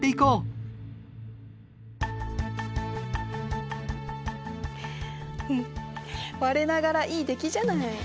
うん我ながらいい出来じゃない。